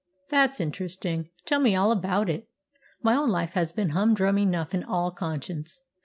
"That's interesting! Tell me all about it. My own life has been humdrum enough in all conscience.